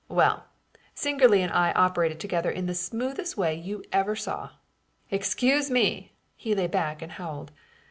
Well, Singerly and I operated together in the smoothest way you ever saw. Excuse me!" He lay back and howled.